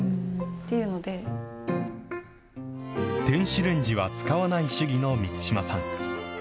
電子レンジは使わない主義の満島さん。